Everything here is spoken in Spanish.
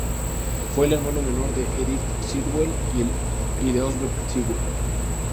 Fue el hermano menor de Edith Sitwell y de Osbert Sitwell.